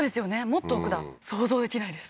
もっと奥だ想像できないです